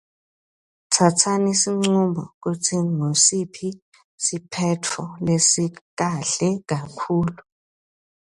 Tsatsani sincumo kutsi ngusiphi siphetfo lesikahle kakhulu.